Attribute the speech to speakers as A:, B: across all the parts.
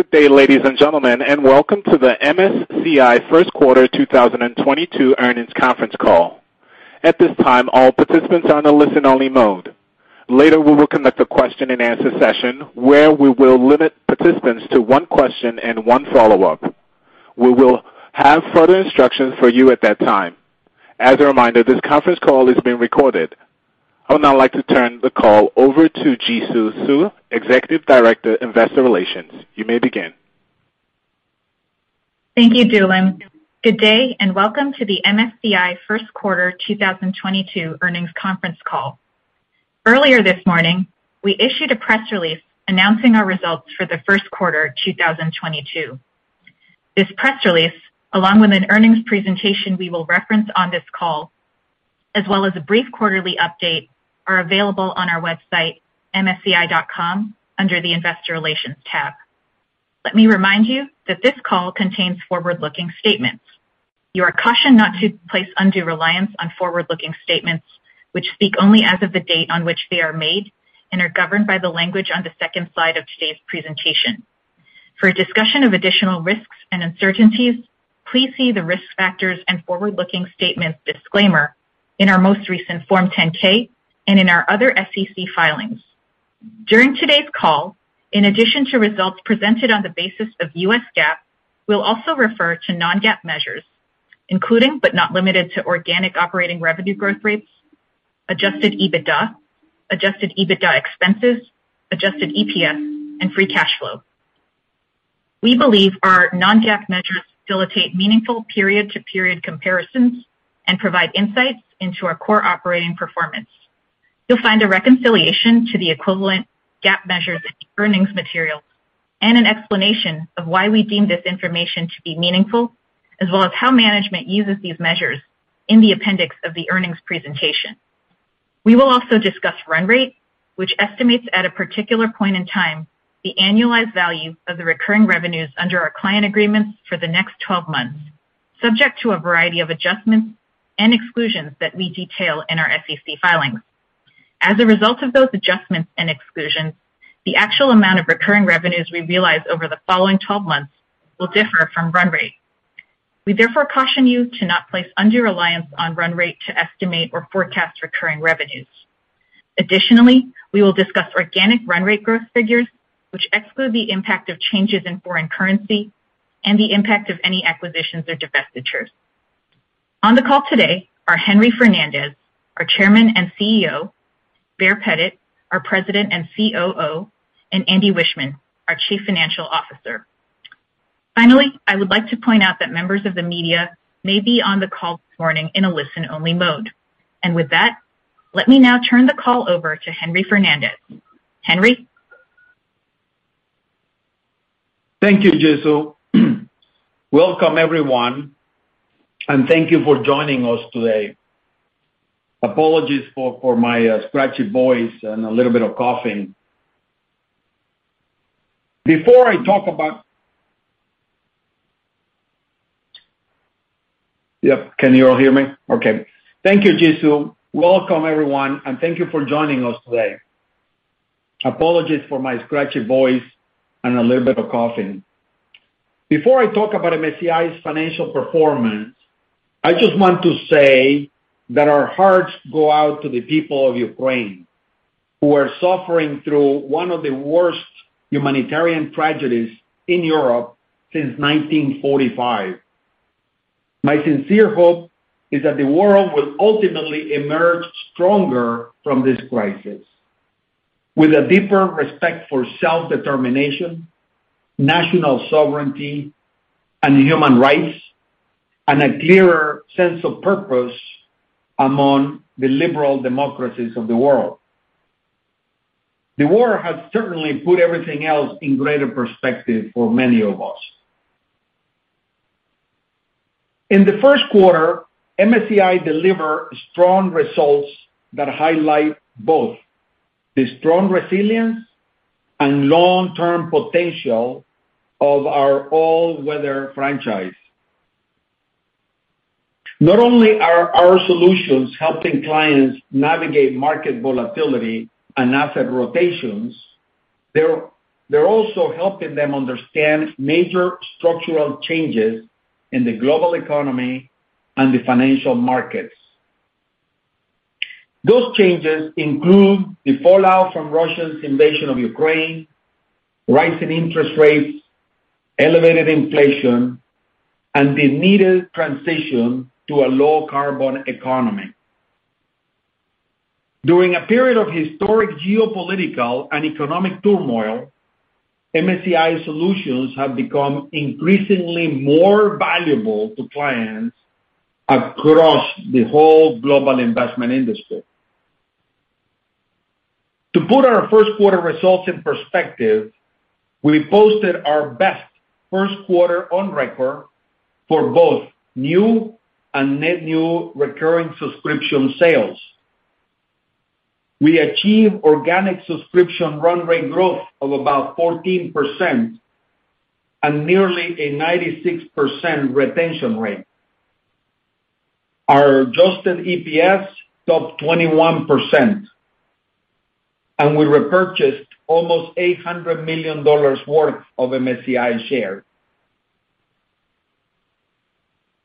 A: Good day, ladies and gentlemen, and welcome to the MSCI Q1 2022 earnings conference call. At this time, all participants are on a listen-only mode. Later, we will conduct a question-and-answer session where we will limit participants to one question and one follow-up. We will have further instructions for you at that time. As a reminder, this conference call is being recorded. I would now like to turn the call over to Jisoo Suh, Executive Director, Investor Relations. You may begin.
B: Thank you, Dylan. Good day, and welcome to the MSCI Q1 2022 earnings conference call. Earlier this morning, we issued a press release announcing our results for the Q1 2022. This press release, along with an earnings presentation we will reference on this call, as well as a brief quarterly update, are available on our website, msci.com, under the Investor Relations tab. Let me remind you that this call contains forward-looking statements. You are cautioned not to place undue reliance on forward-looking statements which speak only as of the date on which they are made and are governed by the language on the second slide of today's presentation. For a discussion of additional risks and uncertainties, please see the Risk Factors and Forward-Looking Statements Disclaimer in our most recent Form 10-K and in our other SEC filings. During today's call, in addition to results presented on the basis of U.S. GAAP, we'll also refer to non-GAAP measures, including, but not limited to, organic operating revenue growth rates, adjusted EBITDA, adjusted EBITDA expenses, adjusted EPS, and free cash flow. We believe our non-GAAP measures facilitate meaningful period-to-period comparisons and provide insights into our core operating performance. You'll find a reconciliation to the equivalent GAAP measures in the earnings materials and an explanation of why we deem this information to be meaningful, as well as how management uses these measures in the appendix of the earnings presentation. We will also discuss run rate, which estimates at a particular point in time the annualized value of the recurring revenues under our client agreements for the next twelve months, subject to a variety of adjustments and exclusions that we detail in our SEC filings. As a result of those adjustments and exclusions, the actual amount of recurring revenues we realize over the following twelve months will differ from run rate. We therefore caution you to not place undue reliance on run rate to estimate or forecast recurring revenues. Additionally, we will discuss organic run rate growth figures, which exclude the impact of changes in foreign currency and the impact of any acquisitions or divestitures. On the call today are Henry Fernandez, our Chairman and CEO, Baer Pettit, our President and COO, and Andy Wiechmann, our Chief Financial Officer. Finally, I would like to point out that members of the media may be on the call this morning in a listen-only mode. With that, let me now turn the call over to Henry Fernandez. Henry.
C: Thank you, Jisoo. Welcome, everyone, and thank you for joining us today. Apologies for my scratchy voice and a little bit of coughing. Before I talk about MSCI's financial performance, I just want to say that our hearts go out to the people of Ukraine, who are suffering through one of the worst humanitarian tragedies in Europe since 1945. My sincere hope is that the world will ultimately emerge stronger from this crisis, with a deeper respect for self-determination, national sovereignty, and human rights, and a clearer sense of purpose among the liberal democracies of the world. The war has certainly put everything else in greater perspective for many of us. In the Q1, MSCI delivered strong results that highlight both the strong resilience and long-term potential of our all-weather franchise. Not only are our solutions helping clients navigate market volatility and asset rotations, they're also helping them understand major structural changes in the global economy and the financial markets. Those changes include the fallout from Russia's invasion of Ukraine, rising interest rates, elevated inflation, and the needed transition to a low-carbon economy. During a period of historic geopolitical and economic turmoil, MSCI solutions have become increasingly more valuable to clients across the whole global investment industry. To put our Q1 results in perspective, we posted our best Q1 on record for both new and net new recurring subscription sales. We achieved organic subscription run rate growth of about 14% and nearly a 96% retention rate. Our adjusted EPS topped 21%, and we repurchased almost $800 million worth of MSCI shares.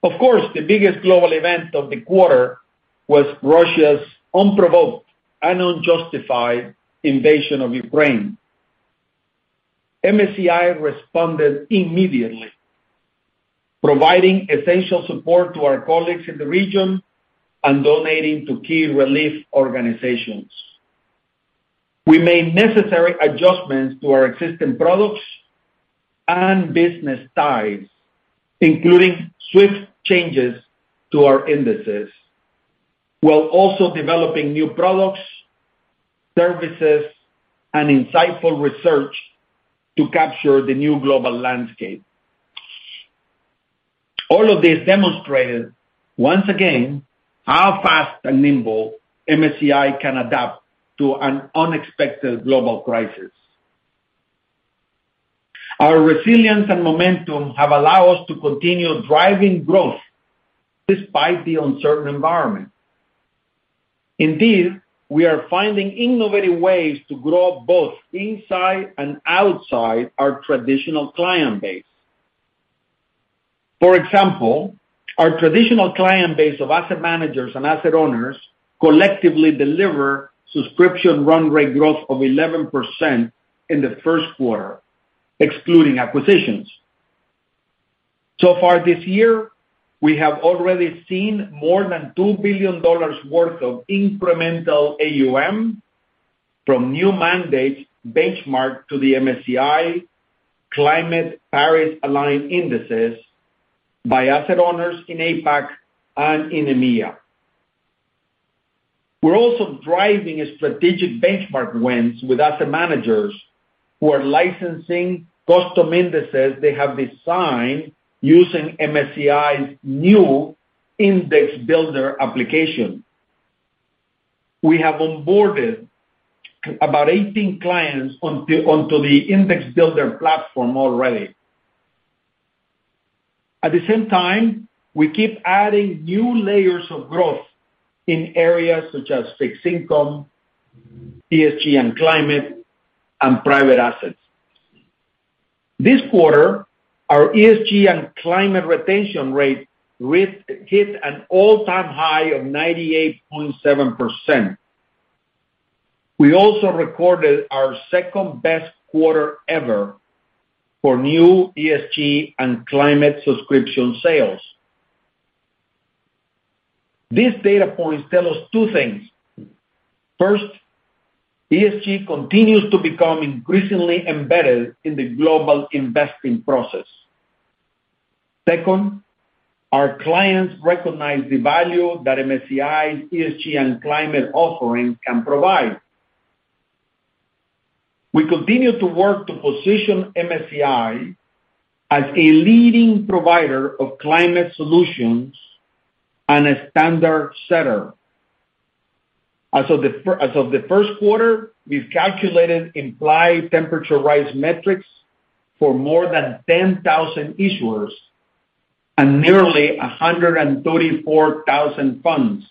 C: Of course, the biggest global event of the quarter was Russia's unprovoked and unjustified invasion of Ukraine. MSCI responded immediately, providing essential support to our colleagues in the region and donating to key relief organizations. We made necessary adjustments to our existing products and business ties, including swift changes to our indices, while also developing new products, services, and insightful research to capture the new global landscape. All of this demonstrated once again how fast and nimble MSCI can adapt to an unexpected global crisis. Our resilience and momentum have allowed us to continue driving growth despite the uncertain environment. Indeed, we are finding innovative ways to grow both inside and outside our traditional client base. For example, our traditional client base of asset managers and asset owners collectively deliver subscription run rate growth of 11% in the Q1, excluding acquisitions. So far this year, we have already seen more than $2 billion worth of incremental AUM from new mandates benchmarked to the MSCI Climate Paris Aligned Indexes by asset owners in APAC and in EMEA. We're also driving strategic benchmark wins with asset managers who are licensing custom indices they have designed using MSCI's new Index Builder application. We have onboarded about 18 clients onto the Index Builder platform already. At the same time, we keep adding new layers of growth in areas such as fixed income, ESG and climate, and private assets. This quarter, our ESG and climate retention rate re-hit an all-time high of 98.7%. We also recorded our second-best quarter ever for new ESG and climate subscription sales. These data points tell us two things. First, ESG continues to become increasingly embedded in the global investing process. Second, our clients recognize the value that MSCI's ESG and climate offering can provide. We continue to work to position MSCI as a leading provider of climate solutions and a standard setter. As of the Q1, we've calculated Implied Temperature Rise metrics for more than 10,000 issuers and nearly 134,000 funds.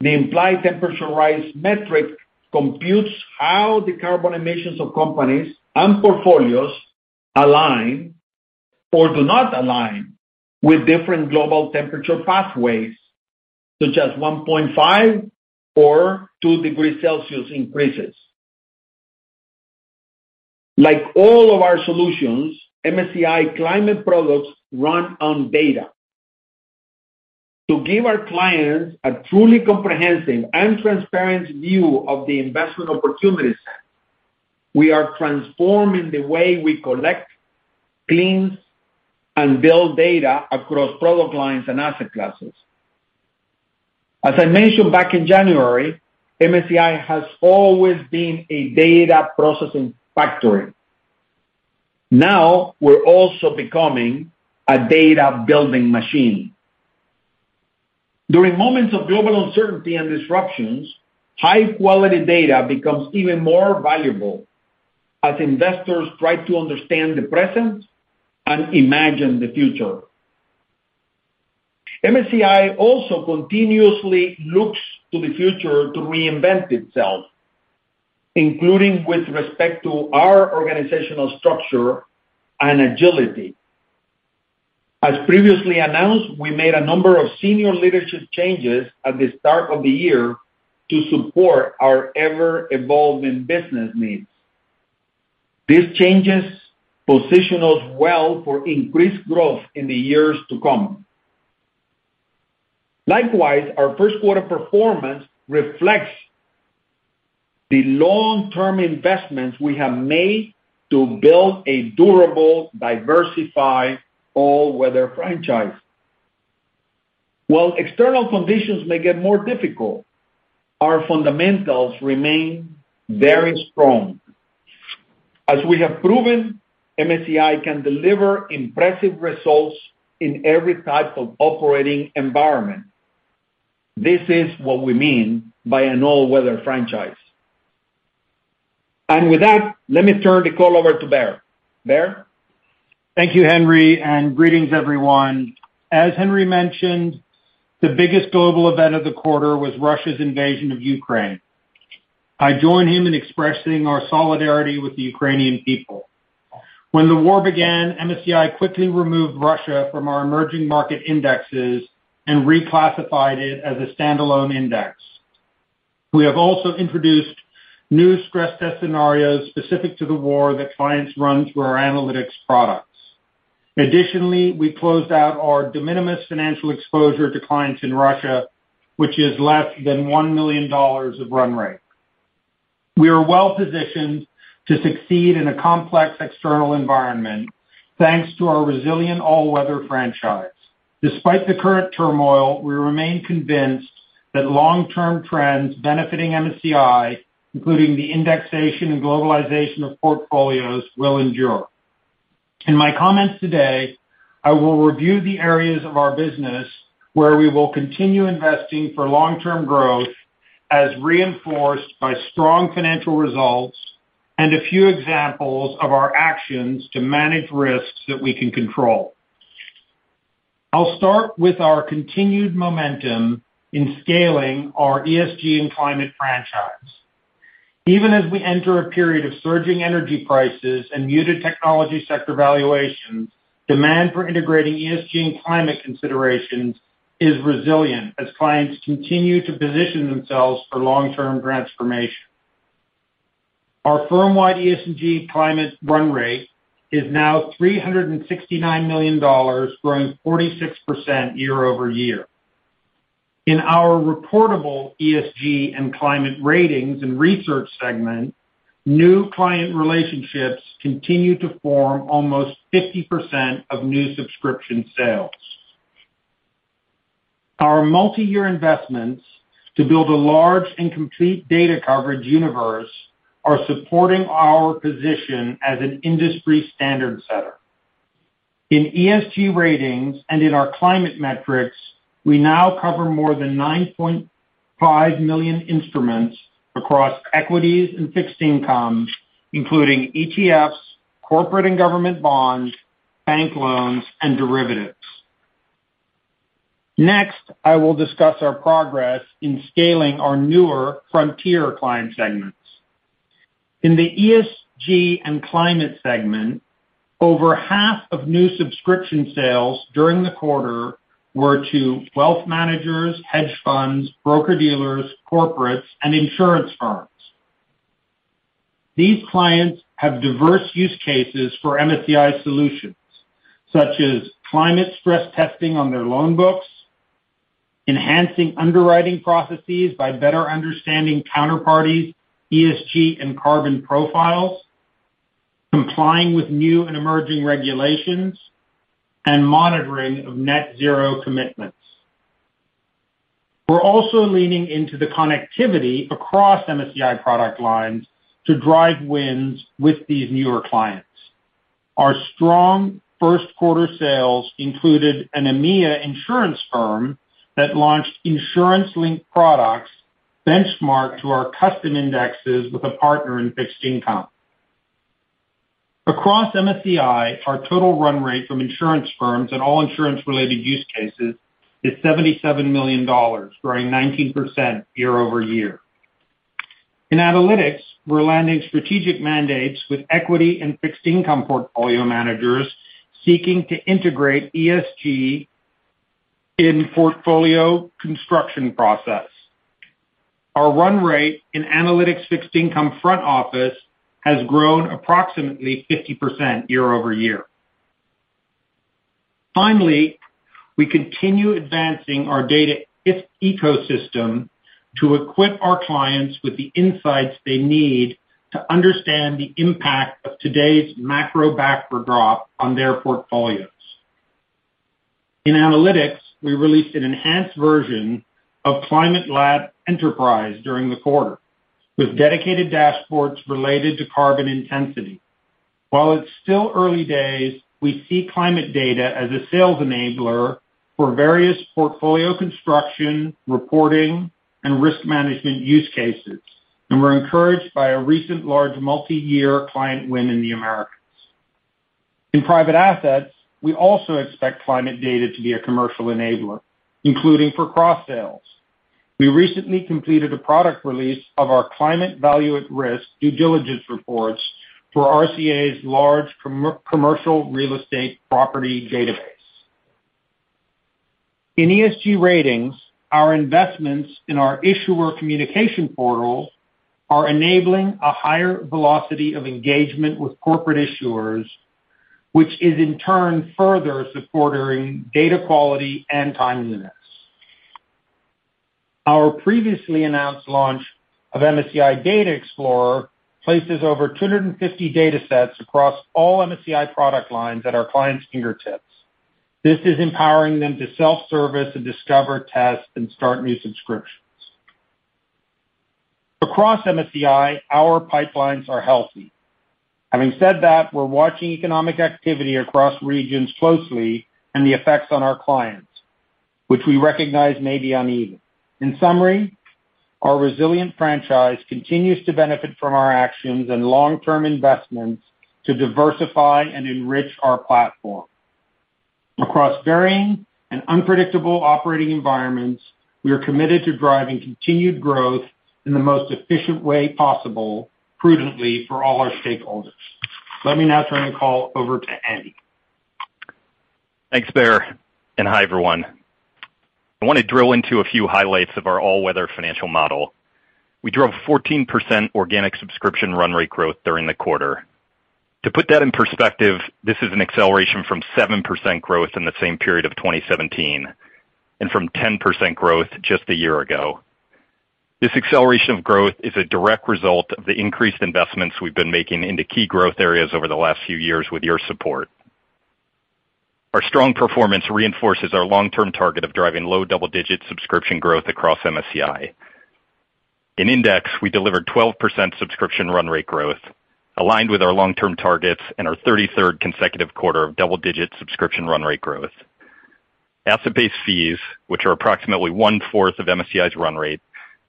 C: The Implied Temperature Rise metric computes how the carbon emissions of companies and portfolios align or do not align with different global temperature pathways, such as 1.5 or 2 degrees Celsius increases. Like all of our solutions, MSCI climate products run on data. To give our clients a truly comprehensive and transparent view of the investment opportunity set, we are transforming the way we collect, cleanse, and build data across product lines and asset classes. As I mentioned back in January, MSCI has always been a data processing factory. Now we're also becoming a data-building machine. During moments of global uncertainty and disruptions, high-quality data becomes even more valuable as investors try to understand the present and imagine the future. MSCI also continuously looks to the future to reinvent itself, including with respect to our organizational structure and agility. As previously announced, we made a number of senior leadership changes at the start of the year to support our ever-evolving business needs. These changes position us well for increased growth in the years to come. Likewise, our Q1 performance reflects the long-term investments we have made to build a durable, diversified all-weather franchise. While external conditions may get more difficult, our fundamentals remain very strong. As we have proven, MSCI can deliver impressive results in every type of operating environment. This is what we mean by an all-weather franchise. With that, let me turn the call over to Baer. Baer?
D: Thank you, Henry, and greetings, everyone. As Henry mentioned, the biggest global event of the quarter was Russia's invasion of Ukraine. I join him in expressing our solidarity with the Ukrainian people. When the war began, MSCI quickly removed Russia from our emerging market indexes and reclassified it as a standalone index. We have also introduced new stress test scenarios specific to the war that clients run through our analytics products. Additionally, we closed out our de minimis financial exposure to clients in Russia, which is less than $1 million of run rate. We are well-positioned to succeed in a complex external environment, thanks to our resilient all-weather franchise. Despite the current turmoil, we remain convinced that long-term trends benefiting MSCI, including the indexation and globalization of portfolios, will endure. In my comments today, I will review the areas of our business where we will continue investing for long-term growth, as reinforced by strong financial results and a few examples of our actions to manage risks that we can control. I'll start with our continued momentum in scaling our ESG and climate franchise. Even as we enter a period of surging energy prices and muted technology sector valuations, demand for integrating ESG and climate considerations is resilient as clients continue to position themselves for long-term transformation. Our firm-wide ESG climate run rate is now $369 million, growing 46% year-over-year. In our reportable ESG and climate ratings and research segment, new client relationships continue to form almost 50% of new subscription sales. Our multi-year investments to build a large and complete data coverage universe are supporting our position as an industry standard setter. In ESG ratings and in our climate metrics, we now cover more than 9.5 million instruments across equities and fixed income, including ETFs, corporate and government bonds, bank loans, and derivatives. Next, I will discuss our progress in scaling our newer frontier client segments. In the ESG and climate segment, over half of new subscription sales during the quarter were to wealth managers, hedge funds, broker-dealers, corporates, and insurance firms. These clients have diverse use cases for MSCI solutions, such as climate stress testing on their loan books, enhancing underwriting processes by better understanding counterparties, ESG and carbon profiles, complying with new and emerging regulations, and monitoring of net zero commitments. We're also leaning into the connectivity across MSCI product lines to drive wins with these newer clients. Our strong Q1 sales included an EMEA insurance firm that launched insurance-linked products benchmarked to our custom indexes with a partner in fixed income. Across MSCI, our total run rate from insurance firms and all insurance-related use cases is $77 million, growing 19% year over year. In Analytics, we're landing strategic mandates with equity and fixed income portfolio managers seeking to integrate ESG in portfolio construction process. Our run rate in Analytics fixed income front office has grown approximately 50% year over year. Finally, we continue advancing our data ecosystem to equip our clients with the insights they need to understand the impact of today's macro backdrop on their portfolios. In Analytics, we released an enhanced version of Climate Lab Enterprise during the quarter, with dedicated dashboards related to carbon intensity. While it's still early days, we see climate data as a sales enabler for various portfolio construction, reporting, and risk management use cases, and we're encouraged by a recent large multi-year client win in the Americas. In private assets, we also expect climate data to be a commercial enabler, including for cross-sales. We recently completed a product release of our Climate Value-at-Risk due diligence reports for RCA's large commercial real estate property database. In ESG ratings, our investments in our issuer communication portal are enabling a higher velocity of engagement with corporate issuers, which is in turn further supporting data quality and timeliness. Our previously announced launch of MSCI Data Explorer places over 250 datasets across all MSCI product lines at our clients' fingertips. This is empowering them to self-service and discover, test, and start new subscriptions. Across MSCI, our pipelines are healthy. Having said that, we're watching economic activity across regions closely and the effects on our clients. Which we recognize may be uneven. In summary, our resilient franchise continues to benefit from our actions and long-term investments to diversify and enrich our platform. Across varying and unpredictable operating environments, we are committed to driving continued growth in the most efficient way possible prudently for all our stakeholders. Let me now turn the call over to Andy.
E: Thanks, Baer, and hi, everyone. I wanna drill into a few highlights of our all-weather financial model. We drove 14% organic subscription run rate growth during the quarter. To put that in perspective, this is an acceleration from 7% growth in the same period of 2017, and from 10% growth just a year ago. This acceleration of growth is a direct result of the increased investments we've been making into key growth areas over the last few years with your support. Our strong performance reinforces our long-term target of driving low double-digit subscription growth across MSCI. In Index, we delivered 12% subscription run rate growth, aligned with our long-term targets and our 33rd consecutive quarter of double-digit subscription run rate growth. Asset-based fees, which are approximately one-fourth of MSCI's run rate,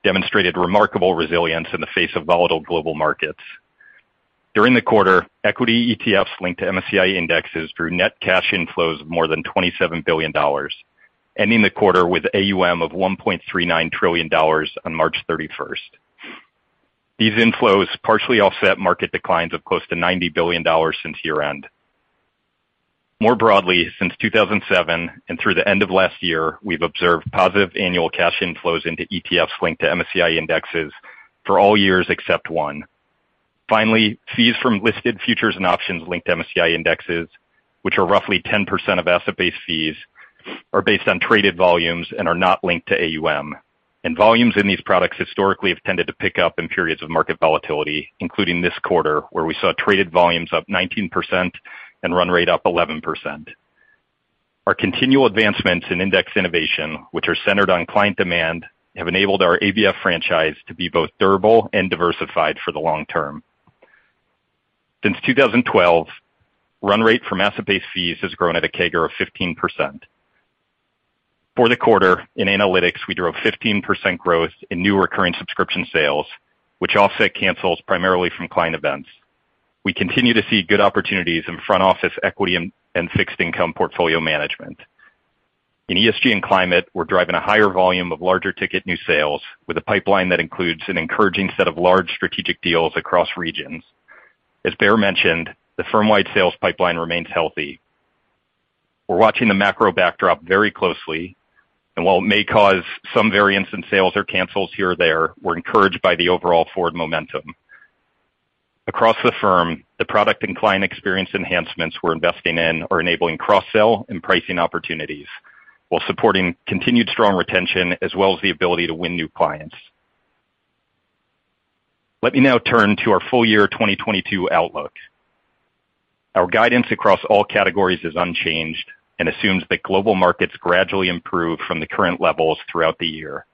E: demonstrated remarkable resilience in the face of volatile global markets. During the quarter, equity ETFs linked to MSCI indexes through net cash inflows of more than $27 billion, ending the quarter with AUM of $1.39 trillion on March 31st. These inflows partially offset market declines of close to $90 billion since year-end. More broadly, since 2007 and through the end of last year, we've observed positive annual cash inflows into ETFs linked to MSCI indexes for all years except one. Finally, fees from listed futures and options linked to MSCI indexes, which are roughly 10% of asset-based fees, are based on traded volumes and are not linked to AUM. Volumes in these products historically have tended to pick up in periods of market volatility, including this quarter, where we saw traded volumes up 19% and run rate up 11%. Our continual advancements in index innovation, which are centered on client demand, have enabled our ABF franchise to be both durable and diversified for the long term. Since 2012, run rate for asset-based fees has grown at a CAGR of 15%. For the quarter, in analytics, we drove 15% growth in new recurring subscription sales, which offset cancels primarily from client events. We continue to see good opportunities in front office equity and fixed income portfolio management. In ESG and climate, we're driving a higher volume of larger ticket new sales with a pipeline that includes an encouraging set of large strategic deals across regions. As Baer mentioned, the firm-wide sales pipeline remains healthy. We're watching the macro backdrop very closely, and while it may cause some variance in sales or cancels here or there, we're encouraged by the overall forward momentum. Across the firm, the product and client experience enhancements we're investing in are enabling cross-sell and pricing opportunities while supporting continued strong retention as well as the ability to win new clients. Let me now turn to our full year 2022 outlook. Our guidance across all categories is unchanged and assumes that global markets gradually improve from the current levels throughout the year.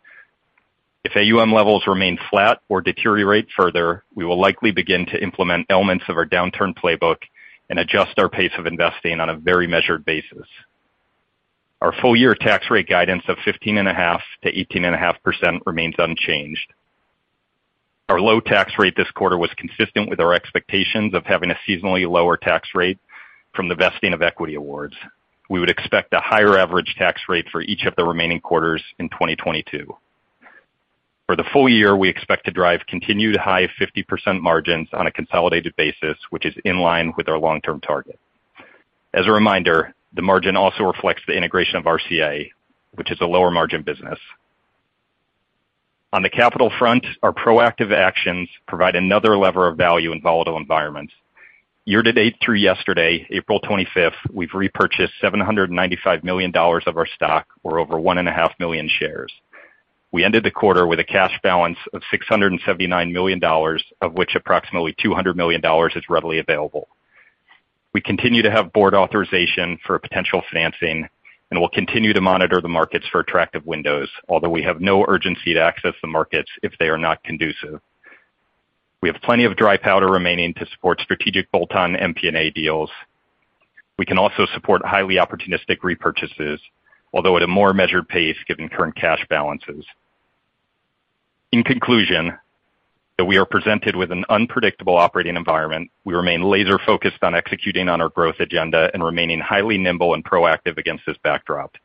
E: If AUM levels remain flat or deteriorate further, we will likely begin to implement elements of our Downturn Playbook and adjust our pace of investing on a very measured basis. Our full year tax rate guidance of 15.5%-18.5% remains unchanged. Our low tax rate this quarter was consistent with our expectations of having a seasonally lower tax rate from the vesting of equity awards. We would expect a higher average tax rate for each of the remaining quarters in 2022. For the full year, we expect to drive continued high 50% margins on a consolidated basis, which is in line with our long-term target. As a reminder, the margin also reflects the integration of RCA, which is a lower margin business. On the capital front, our proactive actions provide another lever of value in volatile environments. Year to date through yesterday, April 25, we've repurchased $795 million of our stock, or over 1.5 million shares. We ended the quarter with a cash balance of $679 million, of which approximately $200 million is readily available. We continue to have board authorization for potential financing, and we'll continue to monitor the markets for attractive windows, although we have no urgency to access the markets if they are not conducive. We have plenty of dry powder remaining to support strategic bolt-on M&A deals. We can also support highly opportunistic repurchases, although at a more measured pace given current cash balances. In conclusion, though we are presented with an unpredictable operating environment, we remain laser-focused on executing on our growth agenda and remaining highly nimble and proactive against this backdrop.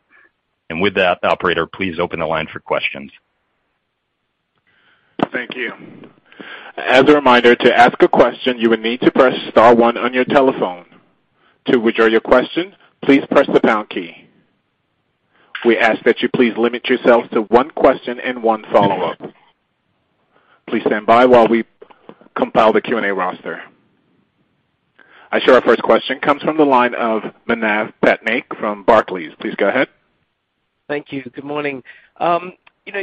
E: With that, operator, please open the line for questions.
A: Thank you. As a reminder, to ask a question, you will need to press star one on your telephone. To withdraw your question, please press the pound key. We ask that you please limit yourself to one question and one follow-up. Please stand by while we compile the Q&A roster. Our first question comes from the line of Manav Patnaik from Barclays. Please go ahead.
F: Thank you. Good morning. You know,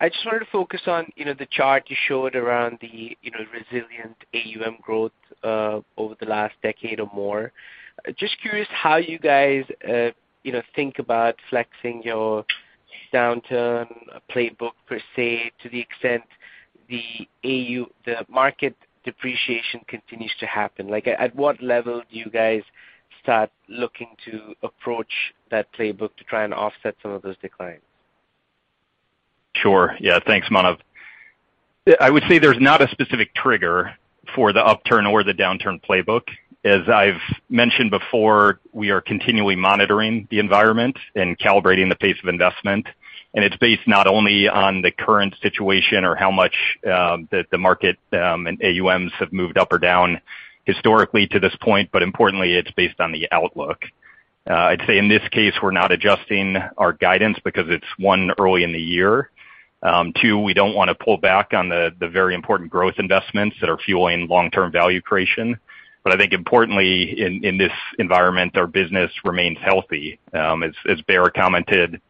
F: I just wanted to focus on, you know, the chart you showed around the, you know, resilient AUM growth over the last decade or more. Just curious how you guys, you know, think about flexing your downturn playbook per se, to the extent the AUM, the market depreciation continues to happen. Like at what level do you guys start looking to approach that playbook to try and offset some of those declines?
E: Sure. Yeah, thanks, Manav. I would say there's not a specific trigger for the upturn or the downturn playbook. As I've mentioned before, we are continually monitoring the environment and calibrating the pace of investment. It's based not only on the current situation or how much the market and AUMs have moved up or down historically to this point, but importantly, it's based on the outlook. I'd say in this case, we're not adjusting our guidance because it's one, early in the year, two, we don't wanna pull back on the very important growth investments that are fueling long-term value creation. I think importantly in this environment, our business remains healthy. As Baer commented,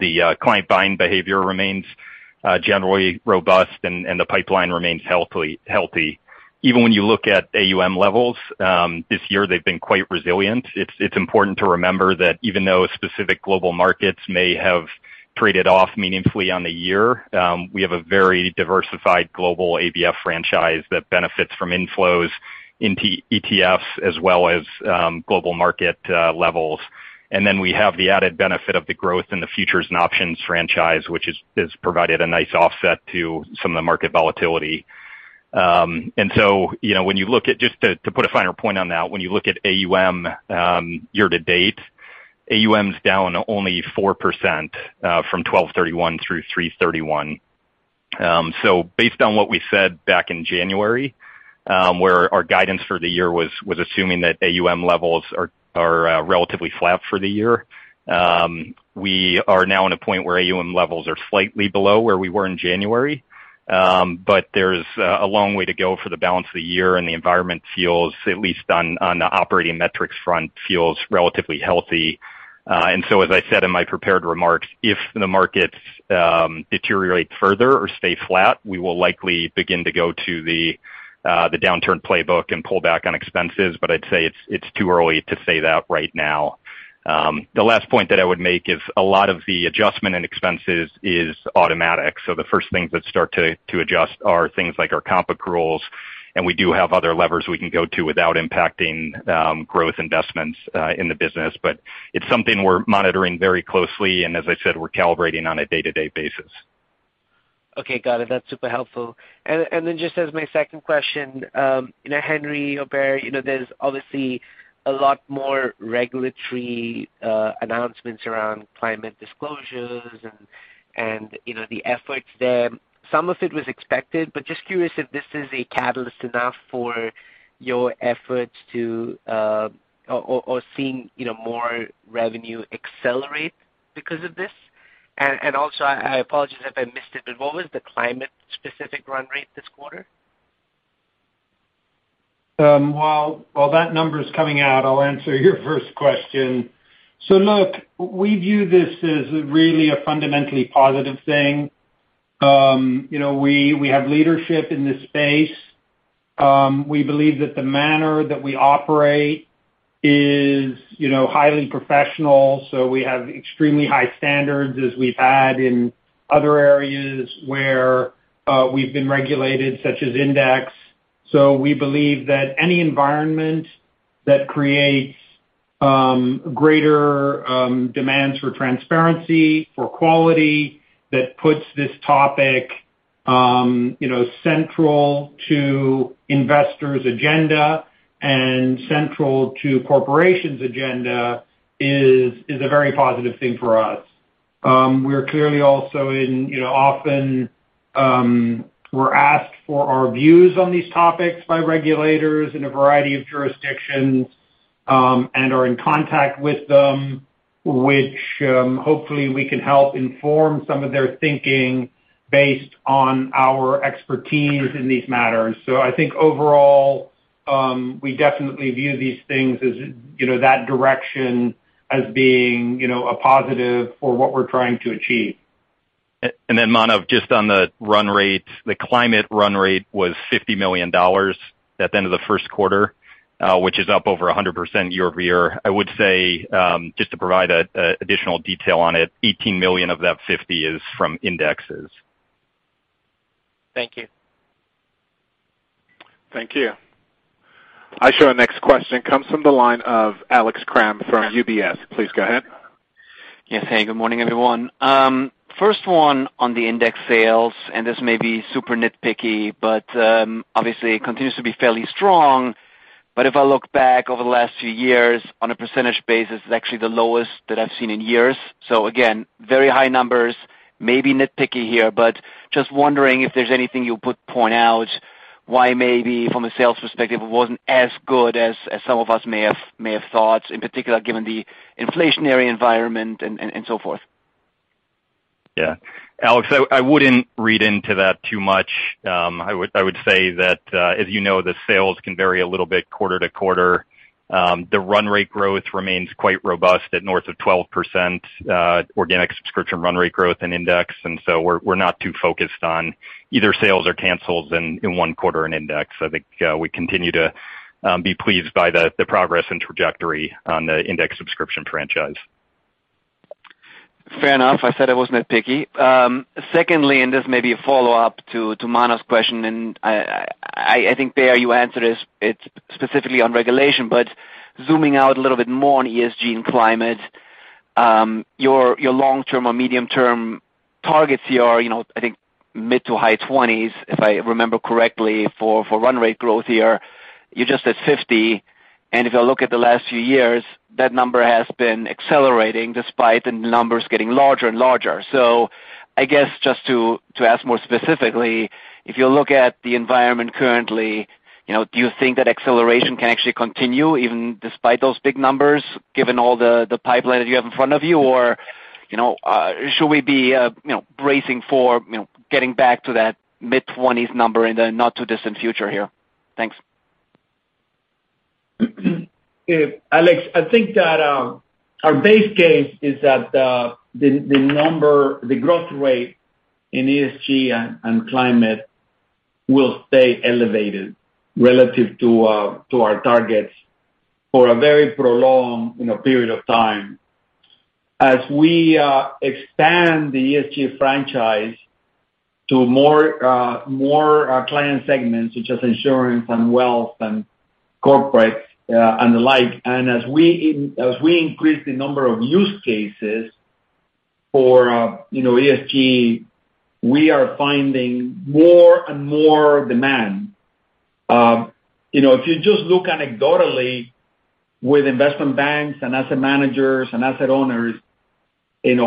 E: the client buying behavior remains generally robust and the pipeline remains healthy. Even when you look at AUM levels this year, they've been quite resilient. It's important to remember that even though specific global markets may have traded off meaningfully on the year, we have a very diversified global ABF franchise that benefits from inflows into ETFs as well as global market levels. We have the added benefit of the growth in the futures and options franchise, which has provided a nice offset to some of the market volatility. You know, when you look at AUM year to date, AUM is down only 4% from 12/31 through 3/31. Based on what we said back in January, where our guidance for the year was assuming that AUM levels are relatively flat for the year, we are now in a point where AUM levels are slightly below where we were in January. There's a long way to go for the balance of the year, and the environment feels, at least on the operating metrics front, relatively healthy. As I said in my prepared remarks, if the markets deteriorate further or stay flat, we will likely begin to go to the downturn playbook and pull back on expenses, but I'd say it's too early to say that right now. The last point that I would make is a lot of the adjustment and expenses is automatic. The first things that start to adjust are things like our comp rules, and we do have other levers we can go to without impacting growth investments in the business. It's something we're monitoring very closely, and as I said, we're calibrating on a day-to-day basis.
F: Okay. Got it. That's super helpful. Just as my second question, you know, Henry or Baer, you know, there's obviously a lot more regulatory announcements around climate disclosures and you know, the efforts there. Some of it was expected, but just curious if this is a catalyst enough for your efforts seeing, you know, more revenue accelerate because of this. Also, I apologize if I missed it, but what was the climate-specific run rate this quarter?
D: While that number's coming out, I'll answer your first question. Look, we view this as really a fundamentally positive thing. You know, we have leadership in this space. We believe that the manner that we operate is, you know, highly professional, so we have extremely high standards as we've had in other areas where we've been regulated, such as index. We believe that any environment that creates greater demands for transparency, for quality, that puts this topic, you know, central to investors' agenda and central to corporations' agenda is a very positive thing for us. We're clearly also in, you know, often, we're asked for our views on these topics by regulators in a variety of jurisdictions, and are in contact with them, which, hopefully we can help inform some of their thinking based on our expertise in these matters. I think overall, we definitely view these things as, you know, that direction as being, you know, a positive for what we're trying to achieve.
E: Manav, just on the run rate, the climate run rate was $50 million at the end of the Q1, which is up over 100% year-over-year. I would say, just to provide an additional detail on it, $18 million of that $50 million is from indexes.
F: Thank you.
E: Thank you.
A: Our next question comes from the line of Alex Kramm from UBS. Please go ahead.
G: Yes. Hey, good morning, everyone. First one on the index sales, and this may be super nitpicky, but obviously continues to be fairly strong. If I look back over the last few years on a percentage basis, it's actually the lowest that I've seen in years. Again, very high numbers, maybe nitpicky here, but just wondering if there's anything you would point out why maybe from a sales perspective, it wasn't as good as some of us may have thought, in particular, given the inflationary environment and so forth.
E: Yeah. Alex, I wouldn't read into that too much. I would say that, as you know, the sales can vary a little bit quarter to quarter. The run rate growth remains quite robust at north of 12%, organic subscription run rate growth in index. We're not too focused on either sales or cancels in one quarter in index. I think we continue to be pleased by the progress and trajectory on the index subscription franchise.
G: Fair enough. I said I wasn't that picky. Secondly, and this may be a follow-up to Manav's question, and I think there you answered this, it's specifically on regulation, but zooming out a little bit more on ESG and climate, your long-term or medium-term targets here are, you know, I think mid- to high 20s, if I remember correctly for run rate growth here. You just said 50, and if you look at the last few years, that number has been accelerating despite the numbers getting larger and larger. I guess just to ask more specifically, if you look at the environment currently, you know, do you think that acceleration can actually continue even despite those big numbers, given all the pipeline that you have in front of you? You know, should we be, you know, bracing for, you know, getting back to that mid-20s number in the not too distant future here? Thanks.
C: Alex, I think that our base case is that the growth rate in ESG and climate will stay elevated relative to our targets for a very prolonged, you know, period of time. As we expand the ESG franchise to more client segments such as insurance and wealth and corporate and the like, and as we increase the number of use cases for, you know, ESG, we are finding more and more demand. You know, if you just look anecdotally with investment banks and asset managers and asset owners,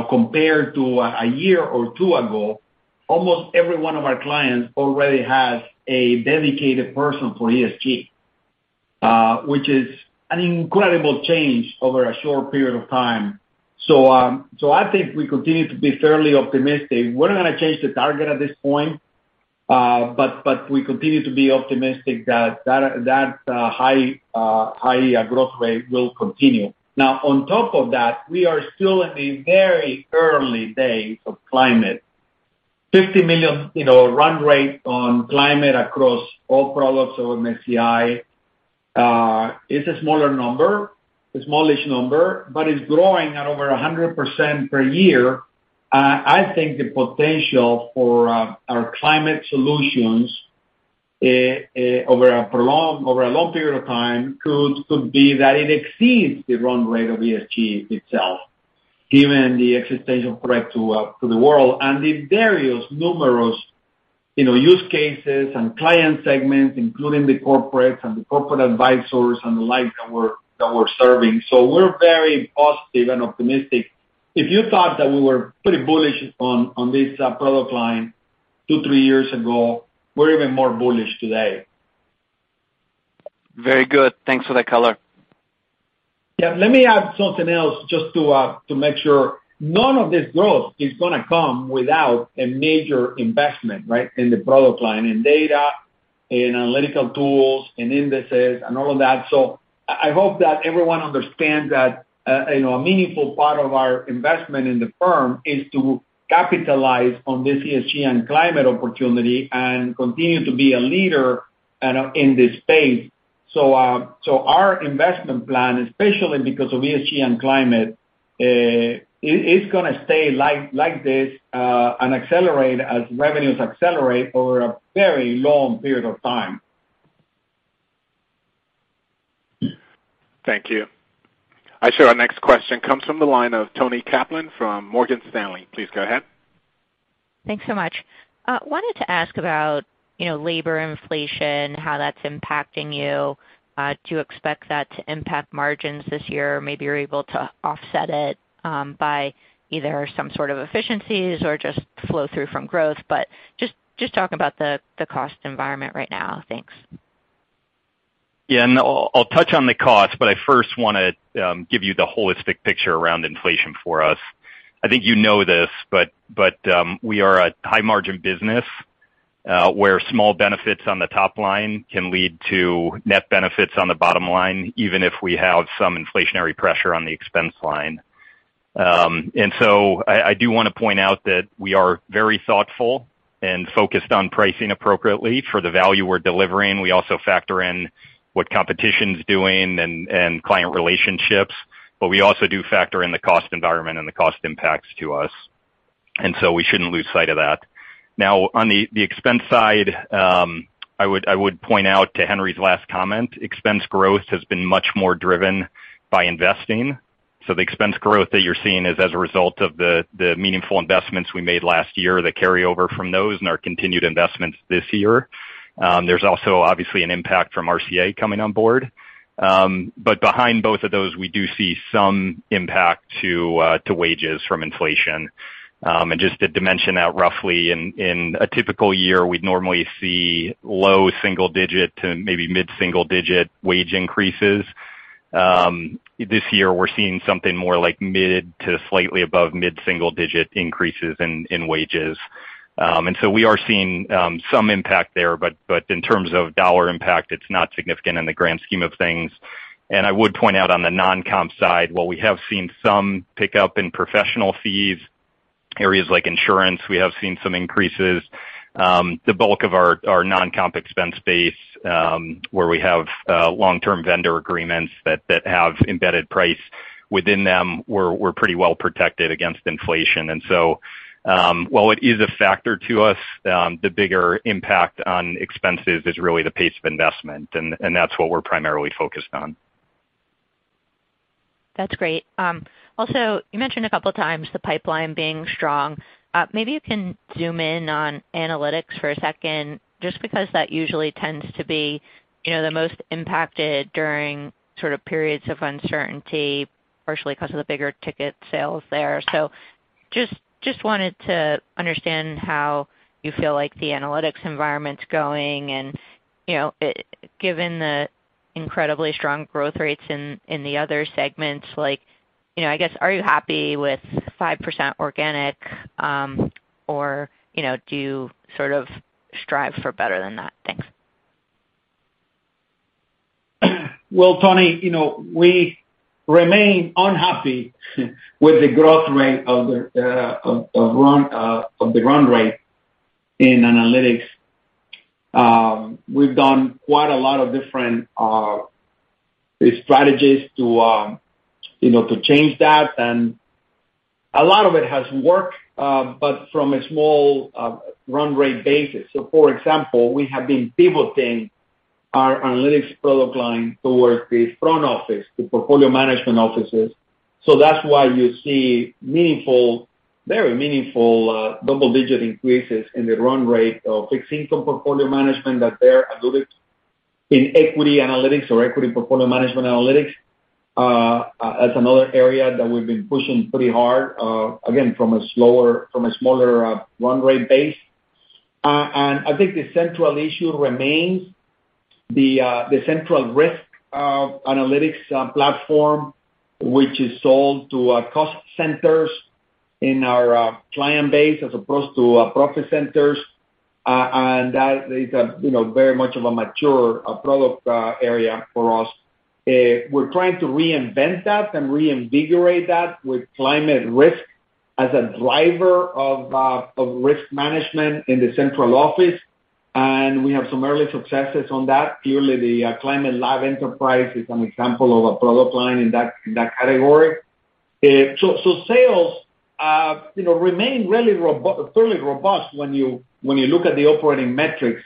C: compared to a year or two ago, almost every one of our clients already has a dedicated person for ESG, which is an incredible change over a short period of time. I think we continue to be fairly optimistic. We're not gonna change the target at this point, but we continue to be optimistic that high growth rate will continue. Now on top of that, we are still in the very early days of climate. $50 million, you know, run rate on climate across all products of MSCI is a smaller number, a smallish number, but it's growing at over 100% per year. I think the potential for our climate solutions over a long period of time could be that it exceeds the run rate of ESG itself, given the existential threat to the world and the various numerous, you know, use cases and client segments, including the corporates and the corporate advisors and the like that we're serving. We're very positive and optimistic. If you thought that we were pretty bullish on this product line two, three years ago, we're even more bullish today.
G: Very good. Thanks for that color.
C: Yeah, let me add something else just to make sure none of this growth is gonna come without a major investment, right, in the product line, in data, in analytical tools, in indices and all of that. I hope that everyone understands that, you know, a meaningful part of our investment in the firm is to capitalize on this ESG and climate opportunity and continue to be a leader and in this space. Our investment plan, especially because of ESG and climate, is gonna stay like this and accelerate as revenues accelerate over a very long period of time.
A: Thank you. Our next question comes from the line of Toni Kaplan from Morgan Stanley. Please go ahead.
H: Thanks so much. Wanted to ask about, you know, labor inflation, how that's impacting you. Do you expect that to impact margins this year? Or maybe you're able to offset it, by either some sort of efficiencies or just flow through from growth. But just talk about the cost environment right now. Thanks.
E: I'll touch on the cost, but I first wanna give you the holistic picture around inflation for us. I think you know this, but we are a high margin business, where small benefits on the top line can lead to net benefits on the bottom line, even if we have some inflationary pressure on the expense line. I do wanna point out that we are very thoughtful and focused on pricing appropriately for the value we're delivering. We also factor in what competition's doing and client relationships, but we also do factor in the cost environment and the cost impacts to us. We shouldn't lose sight of that. Now on the expense side, I would point out to Henry's last comment, expense growth has been much more driven by investing. The expense growth that you're seeing is as a result of the meaningful investments we made last year, the carryover from those and our continued investments this year. There's also obviously an impact from RCA coming on board. Behind both of those, we do see some impact to wages from inflation. Just to dimension that roughly in a typical year, we'd normally see low single digit to maybe mid single digit wage increases. This year we're seeing something more like mid to slightly above mid single digit increases in wages. We are seeing some impact there, but in terms of dollar impact, it's not significant in the grand scheme of things. I would point out on the non-comp side, while we have seen some pickup in professional fees, areas like insurance, we have seen some increases. The bulk of our non-comp expense base, where we have long-term vendor agreements that have embedded price within them, we're pretty well protected against inflation. While it is a factor to us, the bigger impact on expenses is really the pace of investment and that's what we're primarily focused on.
H: That's great. Also, you mentioned a couple of times the pipeline being strong. Maybe you can zoom in on analytics for a second just because that usually tends to be, you know, the most impacted during sort of periods of uncertainty, partially because of the bigger ticket sales there. Just wanted to understand how you feel like the analytics environment's going and, you know, given the incredibly strong growth rates in the other segments, like, you know, I guess, are you happy with 5% organic, or, you know, do you sort of strive for better than that? Thanks.
C: Well, Toni, you know, we remain unhappy with the growth rate of the run rate in analytics. We've done quite a lot of different strategies to, you know, to change that, and a lot of it has worked, but from a small run rate basis. For example, we have been pivoting our analytics product line towards the front office, the portfolio management offices. That's why you see meaningful, very meaningful, double-digit increases in the run rate of fixed income portfolio management their analytics. In equity analytics or equity portfolio management analytics, as another area that we've been pushing pretty hard, again, from a smaller run rate base. I think the central issue remains the central risk analytics platform, which is sold to cost centers in our client base as opposed to profit centers. That is a, you know, very much of a mature product area for us. We're trying to reinvent that and reinvigorate that with climate risk as a driver of risk management in the central office, and we have some early successes on that. Clearly, the Climate Lab Enterprise is an example of a product line in that category. So sales, you know, remain fairly robust when you look at the operating metrics.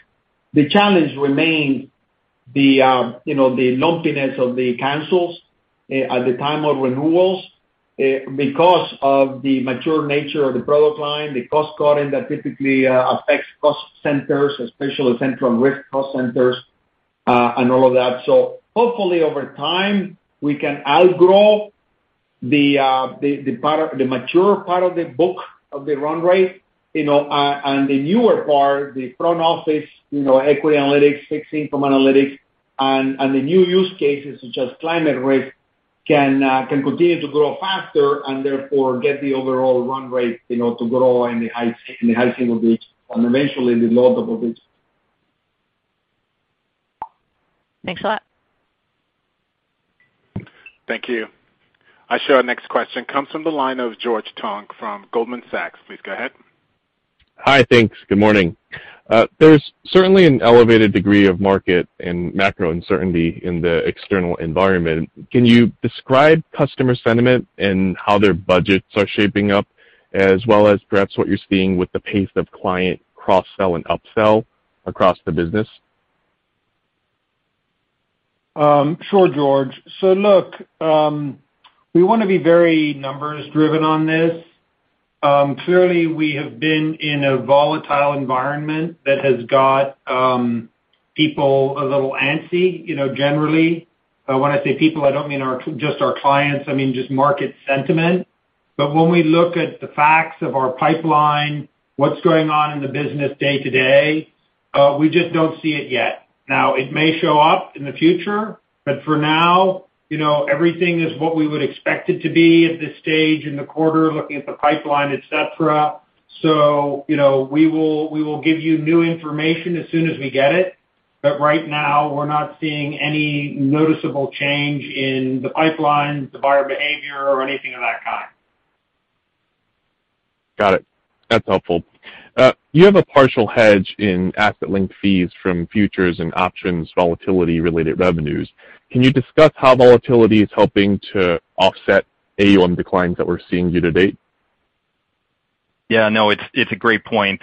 C: The challenge remains the, you know, the lumpiness of the cancels at the time of renewals, because of the mature nature of the product line, the cost-cutting that typically affects cost centers, especially central risk cost centers, and all of that. Hopefully over time, we can outgrow the mature part of the book of the run rate, you know, and the newer part, the front office, you know, equity analytics, fixed income analytics, and the new use cases such as climate risk can continue to grow faster and therefore get the overall run rate, you know, to grow in the high single digits, and eventually the low double digits.
H: Thanks a lot.
A: Thank you. I show our next question comes from the line of George Tong from Goldman Sachs. Please go ahead.
I: Hi. Thanks. Good morning. There's certainly an elevated degree of market and macro uncertainty in the external environment. Can you describe customer sentiment and how their budgets are shaping up, as well as perhaps what you're seeing with the pace of client cross-sell and upsell across the business?
C: Sure, George. Look, we wanna be very numbers-driven on this. Clearly, we have been in a volatile environment that has got people a little antsy, you know, generally. When I say people, I don't mean just our clients, I mean, just market sentiment. When we look at the facts of our pipeline, what's going on in the business day to day, we just don't see it yet. Now, it may show up in the future, but for now, you know, everything is what we would expect it to be at this stage in the quarter, looking at the pipeline, et cetera. You know, we will give you new information as soon as we get it. Right now, we're not seeing any noticeable change in the pipeline, the buyer behavior or anything of that kind.
I: Got it. That's helpful. You have a partial hedge in asset-linked fees from futures and options volatility-related revenues. Can you discuss how volatility is helping to offset AUM declines that we're seeing year to date?
E: Yeah, no, it's a great point.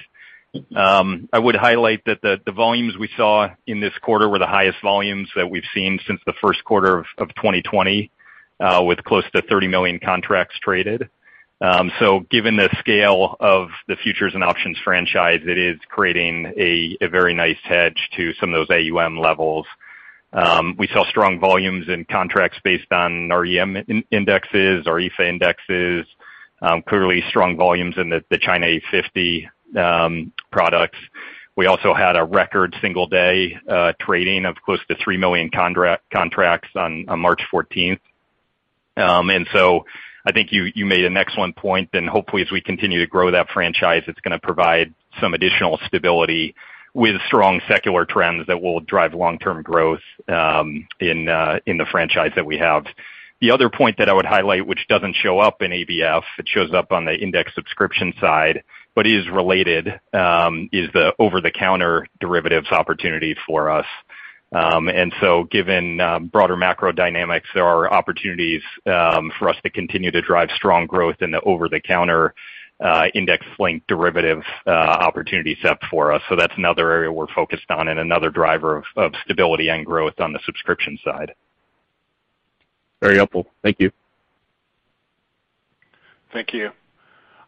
E: I would highlight that the volumes we saw in this quarter were the highest volumes that we've seen since the Q1 of 2020, with close to 30 million contracts traded. So given the scale of the futures and options franchise, it is creating a very nice hedge to some of those AUM levels. We saw strong volumes in contracts based on our EM indexes, our EAFE indexes, clearly strong volumes in the China 50 products. We also had a record single day trading of close to 3 million contracts on March 14. I think you made an excellent point, and hopefully as we continue to grow that franchise, it's gonna provide some additional stability with strong secular trends that will drive long-term growth in the franchise that we have. The other point that I would highlight, which doesn't show up in ABF, it shows up on the index subscription side, but is related, is the over-the-counter derivatives opportunity for us. Given broader macro dynamics, there are opportunities for us to continue to drive strong growth in the over-the-counter index-linked derivative opportunity set for us. That's another area we're focused on and another driver of stability and growth on the subscription side.
I: Very helpful. Thank you.
A: Thank you.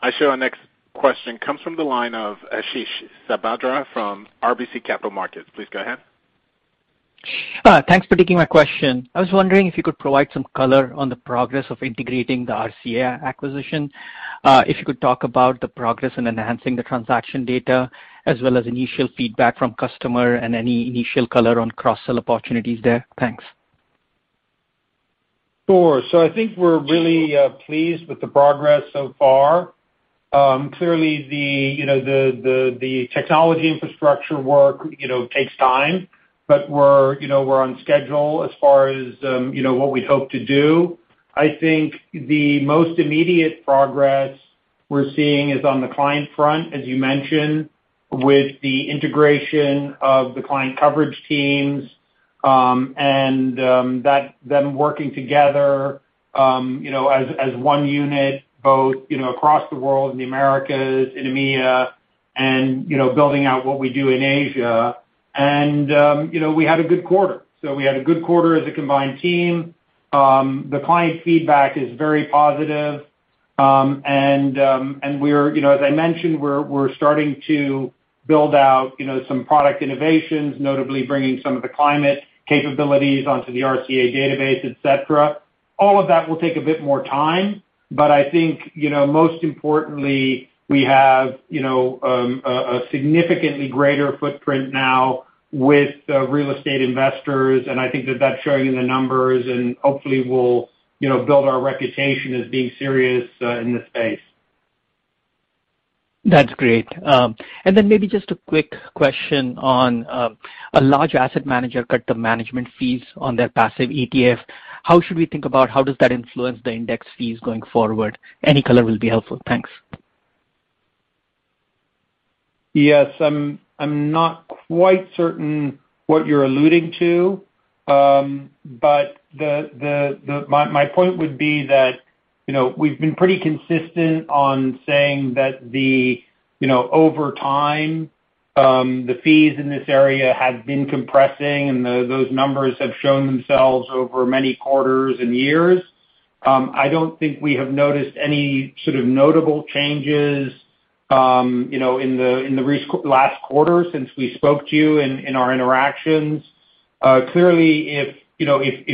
A: I show our next question comes from the line of Ashish Sabadra from RBC Capital Markets. Please go ahead.
J: Thanks for taking my question. I was wondering if you could provide some color on the progress of integrating the RCA acquisition. If you could talk about the progress in enhancing the transaction data as well as initial feedback from customer and any initial color on cross-sell opportunities there. Thanks.
D: Sure. I think we're really pleased with the progress so far. Clearly the, you know, the technology infrastructure work, you know, takes time, but we're, you know, we're on schedule as far as, you know, what we'd hope to do. I think the most immediate progress we're seeing is on the client front, as you mentioned, with the integration of the client coverage teams, and them working together, you know, as one unit, both, you know, across the world in the Americas, in EMEA, and, you know, building out what we do in Asia. We had a good quarter as a combined team. The client feedback is very positive. We're, you know, as I mentioned, starting to build out, you know, some product innovations, notably bringing some of the climate capabilities onto the RCA database, et cetera. All of that will take a bit more time, but I think, you know, most importantly, we have a significantly greater footprint now with real estate investors, and I think that's showing in the numbers and hopefully will, you know, build our reputation as being serious in this space.
J: That's great. Maybe just a quick question on a large asset manager cut the management fees on their passive ETF. How should we think about how does that influence the index fees going forward? Any color will be helpful. Thanks.
D: Yes. I'm not quite certain what you're alluding to. My point would be that, you know, we've been pretty consistent on saying that, you know, over time, the fees in this area have been compressing, and those numbers have shown themselves over many quarters and years. I don't think we have noticed any sort of notable changes, you know, in the last quarter since we spoke to you in our interactions. Clearly, you know, if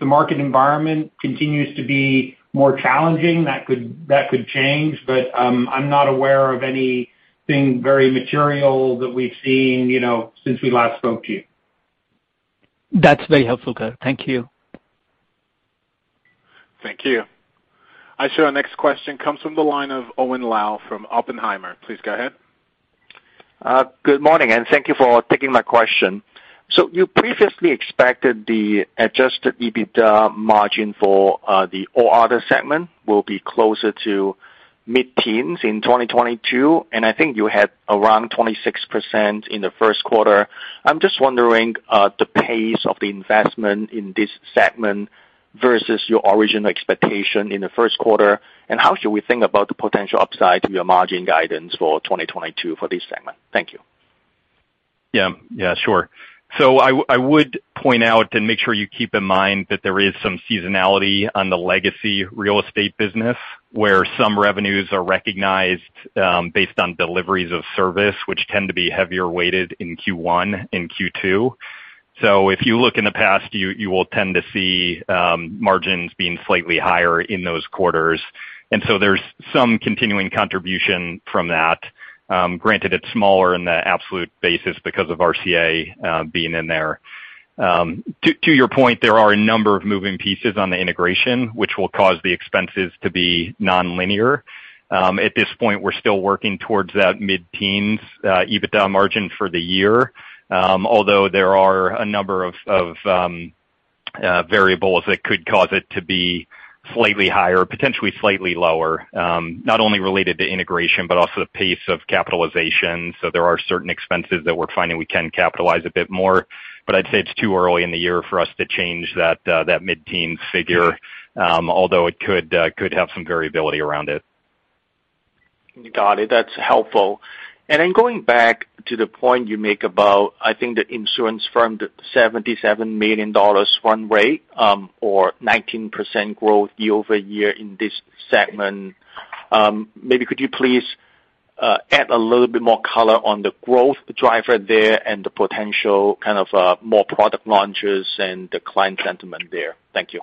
D: the market environment continues to be more challenging, that could change. I'm not aware of anything very material that we've seen, you know, since we last spoke to you.
J: That's very helpful, Baer. Thank you.
A: Thank you. Our next question comes from the line of Owen Lau from Oppenheimer. Please go ahead.
K: Good morning, and thank you for taking my question. You previously expected the adjusted EBITDA margin for the All Other segment will be closer to mid-teens in 2022, and I think you had around 26% in the Q1. I'm just wondering the pace of the investment in this segment versus your original expectation in the Q1, and how should we think about the potential upside to your margin guidance for 2022 for this segment? Thank you.
E: Yeah. Yeah, sure. I would point out and make sure you keep in mind that there is some seasonality on the legacy real estate business, where some revenues are recognized based on deliveries of service, which tend to be heavily weighted in Q1 and Q2. If you look in the past, you will tend to see margins being slightly higher in those quarters. There's some continuing contribution from that, granted it's smaller in the absolute basis because of RCA being in there. To your point, there are a number of moving pieces on the integration, which will cause the expenses to be nonlinear. At this point, we're still working towards that mid-teens EBITDA margin for the year. Although there are a number of variables that could cause it to be slightly higher, potentially slightly lower, not only related to integration, but also the pace of capitalization. There are certain expenses that we're finding we can capitalize a bit more. I'd say it's too early in the year for us to change that mid-teen figure, although it could have some variability around it.
K: Got it. That's helpful. Going back to the point you make about, I think the insurance firm, the $77 million run rate, or 19% growth year-over-year in this segment. Maybe could you please add a little bit more color on the growth driver there and the potential kind of more product launches and the client sentiment there? Thank you.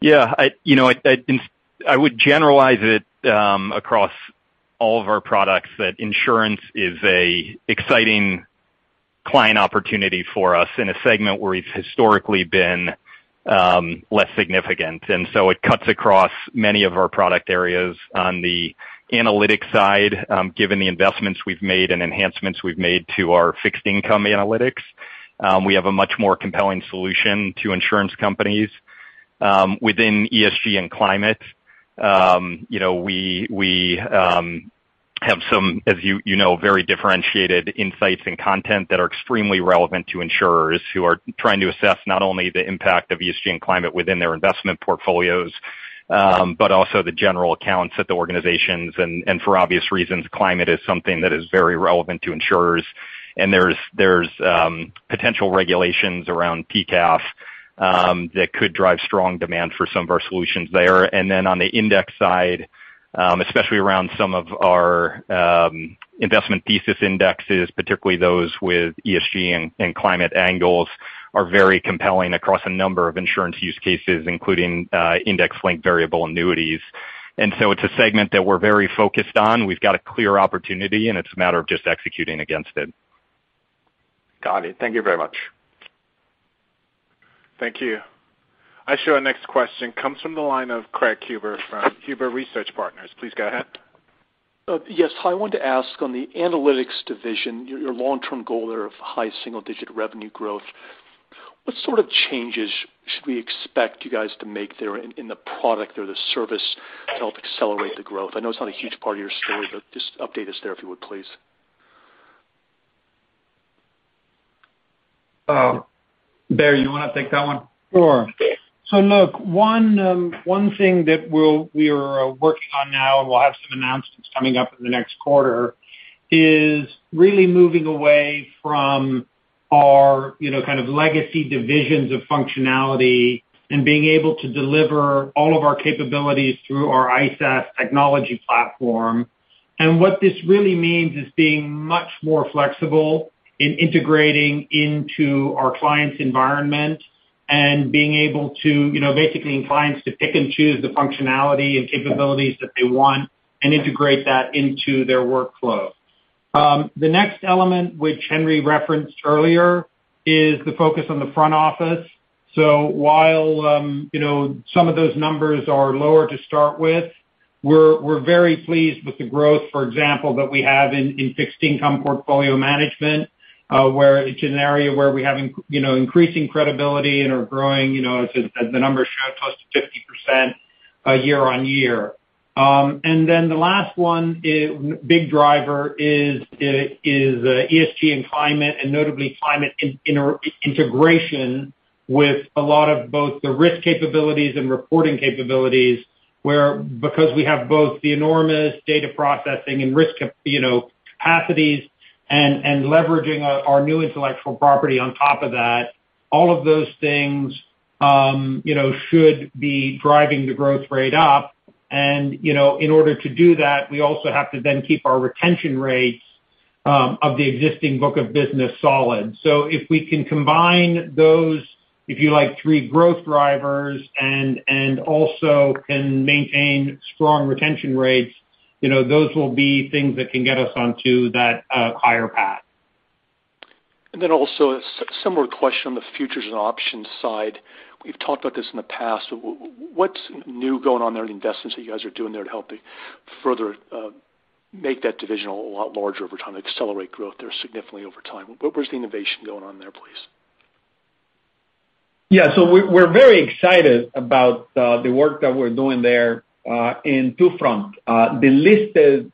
E: Yeah. I, you know, would generalize it across all of our products that insurance is a exciting client opportunity for us in a segment where we've historically been less significant. It cuts across many of our product areas. On the analytics side, given the investments we've made and enhancements we've made to our fixed income analytics, we have a much more compelling solution to insurance companies. Within ESG and climate, you know, we have some, as you know, very differentiated insights and content that are extremely relevant to insurers who are trying to assess not only the impact of ESG and climate within their investment portfolios, but also the general accounts at the organizations. For obvious reasons, climate is something that is very relevant to insurers. There's potential regulations around PCAF that could drive strong demand for some of our solutions there. Then on the index side, especially around some of our investment thesis indexes, particularly those with ESG and climate angles, are very compelling across a number of insurance use cases, including index-linked variable annuities. It's a segment that we're very focused on. We've got a clear opportunity, and it's a matter of just executing against it.
A: Got it. Thank you very much. Thank you. Our next question comes from the line of Craig Huber from Huber Research Partners. Please go ahead.
L: Yes. I want to ask on the analytics division, your long-term goal there of high single-digit revenue growth, what sort of changes should we expect you guys to make there in the product or the service to help accelerate the growth? I know it's not a huge part of your story, but just update us there, if you would, please.
C: Baer, you wanna take that one?
D: Sure. Look, one thing that we are working on now, and we'll have some announcements coming up in the next quarter, is really moving away from our, you know, kind of legacy divisions of functionality and being able to deliver all of our capabilities through our ISAS technology platform. What this really means is being much more flexible in integrating into our clients' environment and being able to, you know, basically let clients pick and choose the functionality and capabilities that they want and integrate that into their workflow. The next element, which Henry referenced earlier, is the focus on the front office. While you know, some of those numbers are lower to start with, we're very pleased with the growth, for example, that we have in fixed income portfolio management, where it's an area where we have increasing credibility and are growing, you know, as the numbers show, close to 50%, year-on-year. And then the last one is big driver is ESG and climate, and notably climate integration with a lot of both the risk capabilities and reporting capabilities, where because we have both the enormous data processing and risk capacities and leveraging our new intellectual property on top of that, all of those things, you know, should be driving the growth rate up. You know, in order to do that, we also have to then keep our retention rates of the existing book of business solid. If we can combine those, if you like, three growth drivers and also can maintain strong retention rates, you know, those will be things that can get us onto that higher path.
L: Then also a similar question on the futures and options side. We've talked about this in the past. What's new going on there in investments that you guys are doing there to help further make that division a lot larger over time, accelerate growth there significantly over time? What was the innovation going on there, please?
C: We're very excited about the work that we're doing there on two fronts. The listed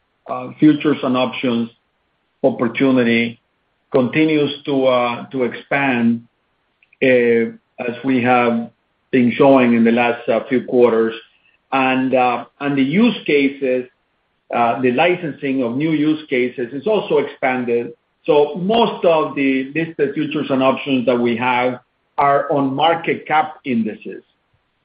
C: futures and options opportunity continues to expand as we have been showing in the last few quarters. The use cases, the licensing of new use cases, has also expanded. Most of the listed futures and options that we have are on market cap indices.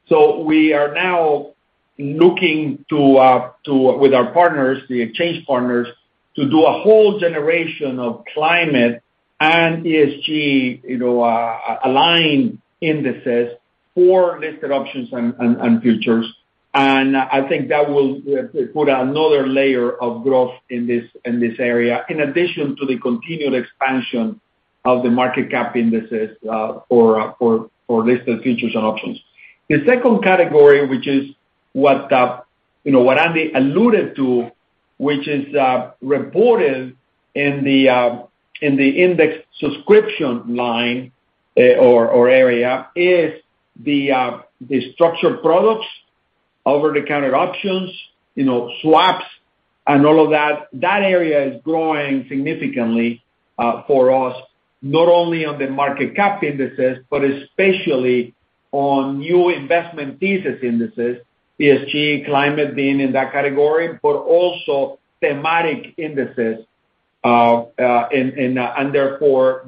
C: We are now looking to with our partners, the exchange partners, to do a whole generation of climate and ESG, you know, aligned indices for listed options and futures. I think that will put another layer of growth in this area, in addition to the continual expansion of the market cap indices for listed futures and options. The second category, which is what, you know, what Andy alluded to, which is reported in the index subscription line or area, is the structured products, over-the-counter options, you know, swaps and all of that. That area is growing significantly for us, not only on the market cap indices, but especially on new investment thesis indices, ESG, climate being in that category, but also thematic indices. Therefore,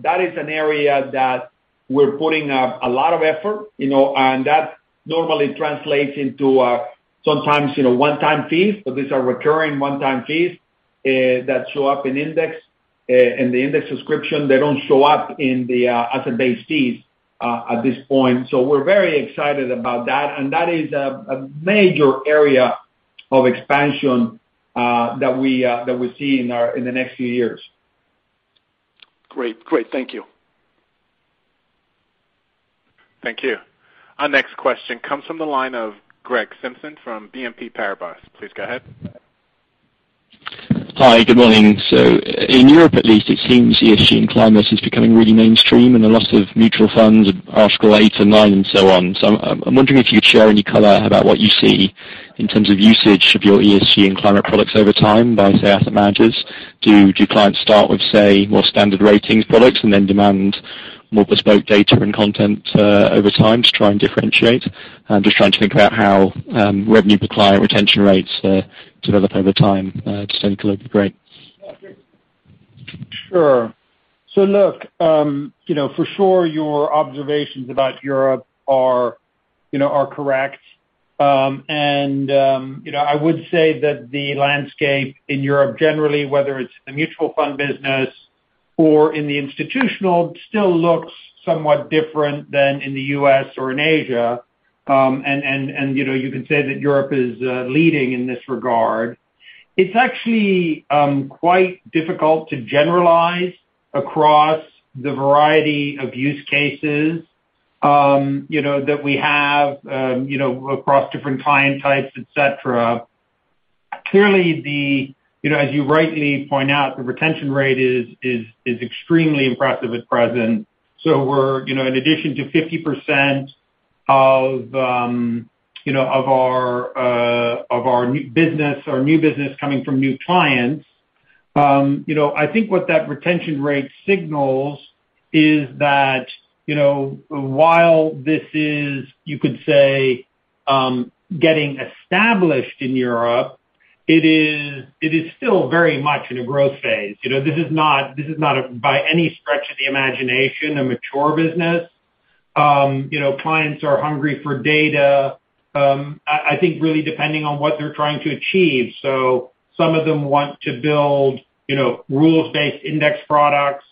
C: that is an area that we're putting up a lot of effort, you know, and that normally translates into sometimes, you know, one-time fees. These are recurring one-time fees that show up in the index subscription. They don't show up in the asset-based fees at this point. We're very excited about that, and that is a major area of expansion, that we see in the next few years.
L: Great. Thank you.
A: Thank you. Our next question comes from the line of Greg Simpson from BNP Paribas. Please go ahead.
M: Hi. Good morning. In Europe at least, it seems ESG and climate is becoming really mainstream, and a lot of mutual funds, Article 8 and 9 and so on. I'm wondering if you could share any color about what you see in terms of usage of your ESG and climate products over time by, say, asset managers. Do clients start with, say, more standard ratings products and then demand more bespoke data and content over time to try and differentiate? I'm just trying to think about how revenue per client retention rates develop over time to take a look at Greg.
D: Sure. Look, you know, for sure your observations about Europe are, you know, are correct. You know, I would say that the landscape in Europe generally, whether it's the mutual fund business or in the institutional, still looks somewhat different than in the U.S. or in Asia. You know, you can say that Europe is leading in this regard. It's actually quite difficult to generalize across the variety of use cases, you know, that we have, you know, across different client types, et cetera. Clearly, you know, as you rightly point out, the retention rate is extremely impressive at present. We're, you know, in addition to 50% of our new business coming from new clients, you know, I think what that retention rate signals is that, you know, while this is, you know, you could say, getting established in Europe, it is still very much in a growth phase. You know, this is not, by any stretch of the imagination, a mature business. You know, clients are hungry for data, I think really depending on what they're trying to achieve. Some of them want to build, you know, rules-based index products.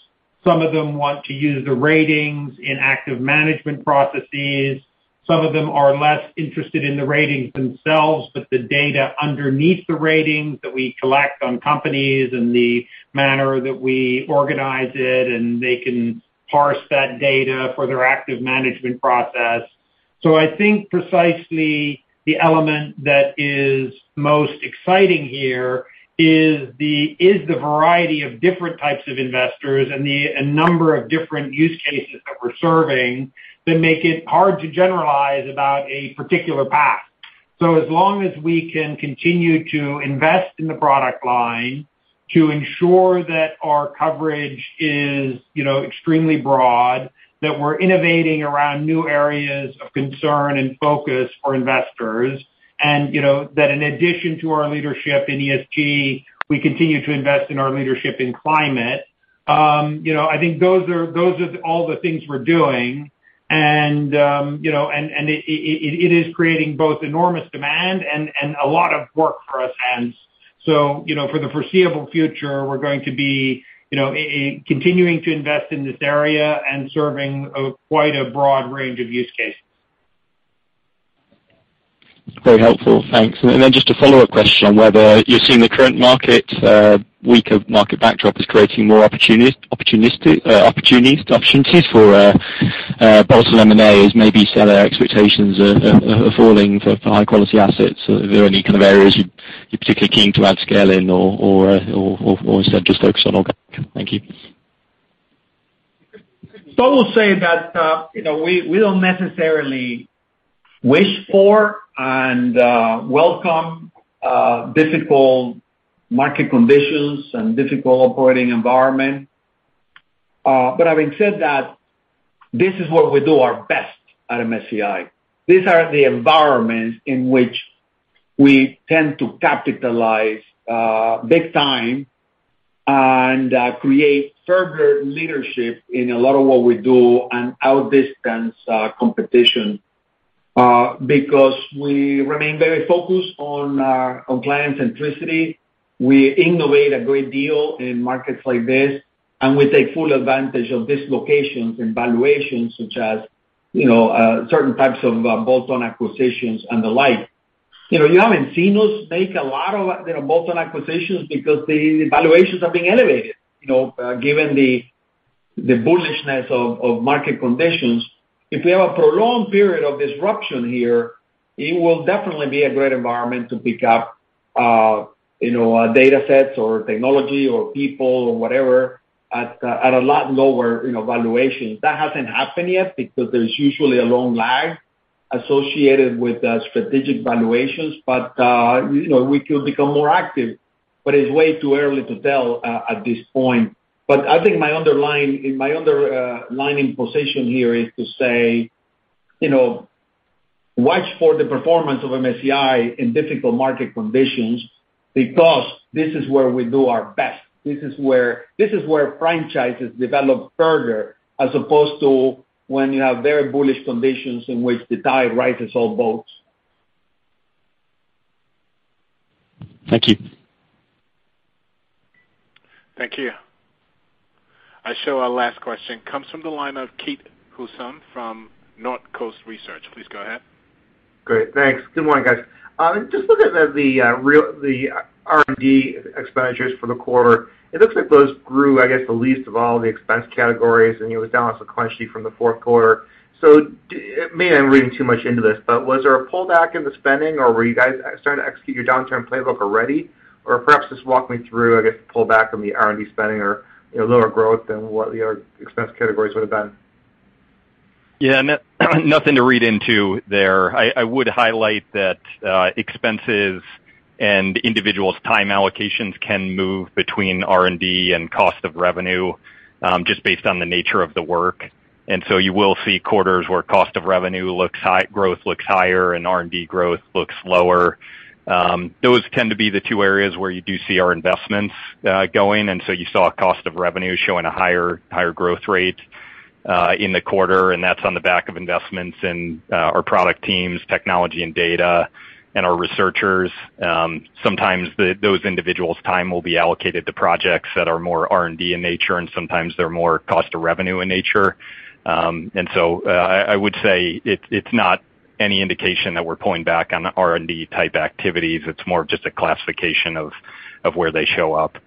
D: Some of them want to use the ratings in active management processes. Some of them are less interested in the ratings themselves, but the data underneath the ratings that we collect on companies and the manner that we organize it, and they can parse that data for their active management process. I think precisely the element that is most exciting here is the variety of different types of investors and a number of different use cases that we're serving that make it hard to generalize about a particular path. As long as we can continue to invest in the product line to ensure that our coverage is, you know, extremely broad, that we're innovating around new areas of concern and focus for investors, and, you know, that in addition to our leadership in ESG, we continue to invest in our leadership in climate, you know, I think those are all the things we're doing. You know, it is creating both enormous demand and a lot of work for us hence. You know, for the foreseeable future, we're going to be continuing to invest in this area and serving quite a broad range of use cases.
M: Very helpful. Thanks. Then just a follow-up question on whether you're seeing the current market, weaker market backdrop is creating more opportunistic opportunities for possible M&A as maybe seller expectations are falling for high-quality assets. Are there any kind of areas you're particularly keen to add scale in or instead just focus on organic? Thank you.
D: I will say that, you know, we don't necessarily wish for and welcome difficult market conditions and difficult operating environment. Having said that, this is where we do our best at MSCI. These are the environments in which we tend to capitalize big time and create further leadership in a lot of what we do and outdistance competition because we remain very focused on client centricity. We innovate a great deal in markets like this, and we take full advantage of dislocations and valuations such as, you know, certain types of bolt-on acquisitions and the like. You know, you haven't seen us make a lot of bolt-on acquisitions because the valuations are being elevated, you know, given the bullishness of market conditions. If we have a prolonged period of disruption here, it will definitely be a great environment to pick up, you know, datasets or technology or people or whatever at a lot lower, you know, valuations. That hasn't happened yet because there's usually a long lag associated with the strategic valuations. You know, we could become more active, but it's way too early to tell, at this point. I think my underlying position here is to say, you know, watch for the performance of MSCI in difficult market conditions because this is where we do our best. This is where franchises develop further as opposed to when you have very bullish conditions in which the tide rises all boats.
M: Thank you.
A: Thank you. I show our last question comes from the line of Keith Housum from Northcoast Research. Please go ahead.
N: Great. Thanks. Good morning, guys. Just looking at the R&D expenditures for the quarter, it looks like those grew, I guess, the least of all the expense categories, and it was down also from the Q4. Maybe I'm reading too much into this, but was there a pullback in the spending, or were you guys starting to execute your downturn playbook already? Or perhaps just walk me through, I guess, the pullback from the R&D spending or, you know, lower growth than what your expense categories would have been.
E: Yeah. Nothing to read into there. I would highlight that expenses and individuals' time allocations can move between R&D and cost of revenue just based on the nature of the work. You will see quarters where cost of revenue growth looks higher and R&D growth looks lower. Those tend to be the two areas where you do see our investments going. You saw cost of revenue showing a higher growth rate in the quarter, and that's on the back of investments in our product teams, technology and data, and our researchers. Sometimes those individuals' time will be allocated to projects that are more R&D in nature, and sometimes they're more cost to revenue in nature. I would say it's not any indication that we're pulling back on the R&D type activities. It's more of just a classification of where they show up.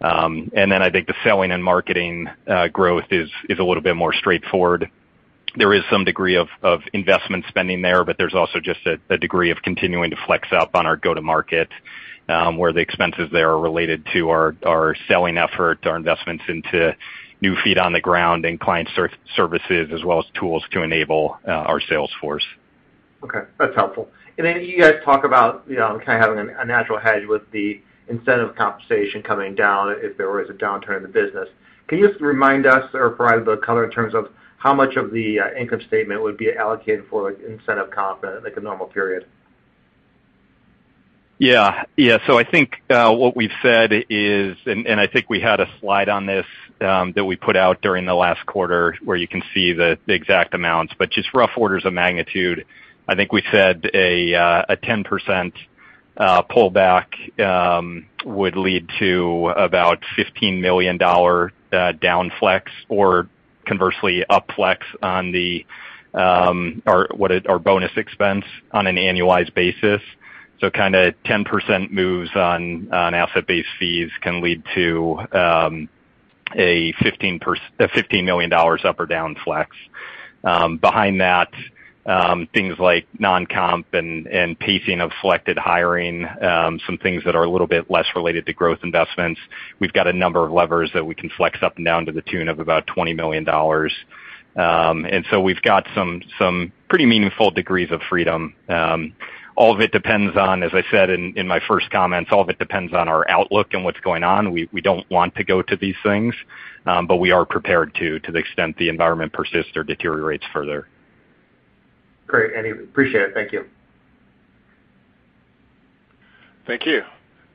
E: I think the selling and marketing growth is a little bit more straightforward. There is some degree of investment spending there, but there's also just a degree of continuing to flex up on our go-to-market, where the expenses there are related to our selling effort, our investments into new feet on the ground and client services as well as tools to enable our sales force.
N: Okay, that's helpful. You guys talk about, you know, kind of having a natural hedge with the incentive compensation coming down if there was a downturn in the business. Can you just remind us or provide the color in terms of how much of the income statement would be allocated for incentive comp in, like, a normal period?
E: I think what we've said is, and I think we had a slide on this, that we put out during the last quarter, where you can see the exact amounts, but just rough orders of magnitude. I think we said a 10% pullback would lead to about $15 million down flex or conversely up flex on the or bonus expense on an annualized basis. Kinda 10% moves on asset-based fees can lead to a $15 million up or down flex. Behind that, things like non-comp and pacing of selected hiring, some things that are a little bit less related to growth investments. We've got a number of levers that we can flex up and down to the tune of about $20 million. We've got some pretty meaningful degrees of freedom. All of it depends on, as I said in my first comments, all of it depends on our outlook and what's going on. We don't want to go to these things, but we are prepared to the extent the environment persists or deteriorates further.
N: Great. Anyway, appreciate it. Thank you.
A: Thank you.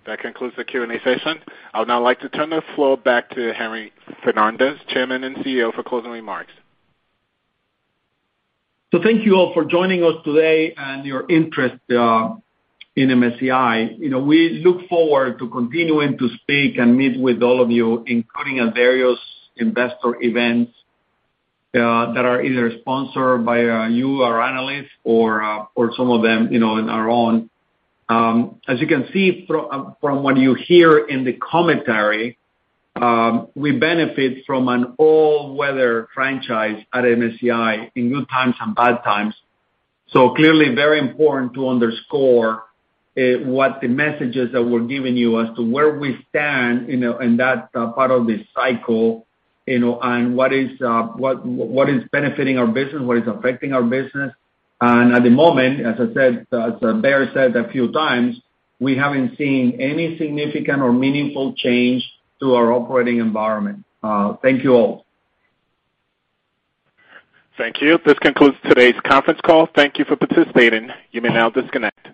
A: That concludes the Q&A session. I would now like to turn the floor back to Henry Fernandez, Chairman and Chief Executive Officer, for closing remarks.
C: Thank you all for joining us today and your interest in MSCI. You know, we look forward to continuing to speak and meet with all of you, including at various investor events that are either sponsored by you, our analysts or some of them, you know, on our own. As you can see from what you hear in the commentary, we benefit from an all-weather franchise at MSCI in good times and bad times. Clearly very important to underscore what the messages that we're giving you as to where we stand, you know, in that part of this cycle, you know, and what is benefiting our business, what is affecting our business. At the moment, as I said, as Baer said a few times, we haven't seen any significant or meaningful change to our operating environment. Thank you all.
A: Thank you. This concludes today's conference call. Thank you for participating. You may now disconnect.